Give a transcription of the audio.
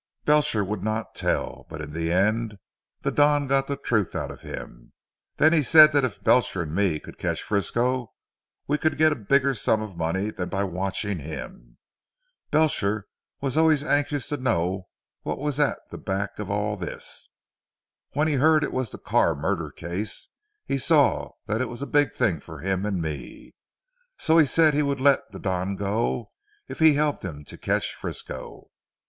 Belcher would not tell, but in the end, the Don got the truth out of him. Then he said that if Belcher and me could catch Frisco we could get a bigger sum of money, than by watching him. Belcher was always anxious to know what was at the back of all this. When he heard it was the Carr murder case, he saw it was a big thing for him and me. So he said he would let the Don go, if he helped him to catch Frisco.